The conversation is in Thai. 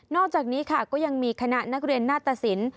อกจากนี้ค่ะก็ยังมีคณะนักเรียนหน้าตสิน